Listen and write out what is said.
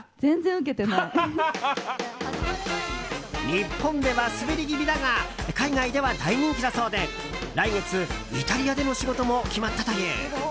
日本ではスベリ気味だが海外では大人気だそうで来月、イタリアでの仕事も決まったという。